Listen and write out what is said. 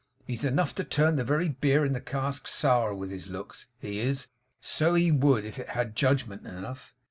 He's enough to turn the very beer in the casks sour with his looks; he is! So he would, if it had judgment enough.